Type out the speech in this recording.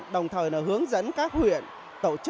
đồng thời hướng dẫn các quý bà trẻ em tỉnh